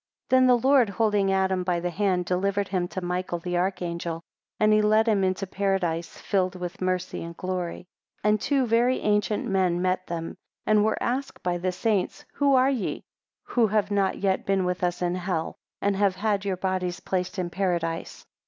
THEN the Lord, holding Adam by the hand, delivered him to Michael the archangel; and he led them into Paradise, filled with mercy and glory; 2 And two very ancient men met them, and were asked by the saints, Who are ye, who have not yet been with us in hell, and have had your bodies placed in Paradise?